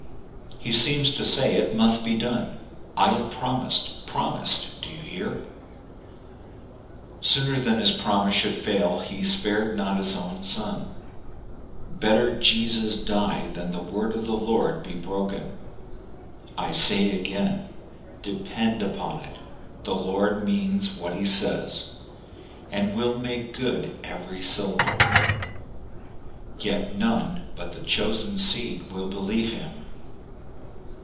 He seems to say —" It must be done. I have promised — promised, do you hear ?Sooner than his promise should fail, he spared not his own Son. Better Jesus die than the word of the Lord be broken. I say again, — depend upon it, the Lord means what he says, and will make good every syllable. Yet none but the chosen seed will believe him.